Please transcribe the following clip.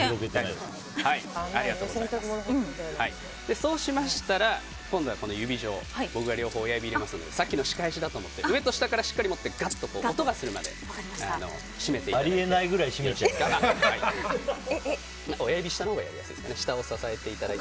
そうしましたら、今度は指錠に僕が両方親指入れますんでさっきの仕返しだと思って上から下までしっかり持って音がするまで閉めていただいて。